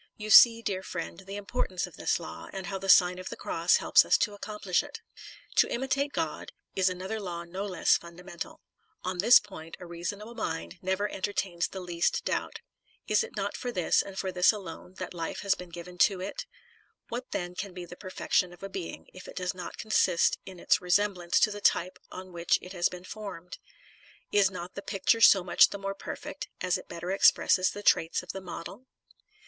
You see, dear friend, the importance of this law, and how the Sign of the Cross helps us to accomplish it. To imi tate God, is another law no less fundamental. On this point, a reasonable mind never enter tains the least doubt. Is not every being obliged to tend *to its perfection ? Is it not for this, and for this alone, that life has been given to it? What then can be the perfec tion of a being, if it does not consist in its resemblance to the type on which it has been formed? Is not the picture so much the more perfect, as it better expresses the traits of the model